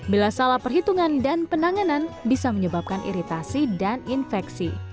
bila salah perhitungan dan penanganan bisa menyebabkan iritasi dan infeksi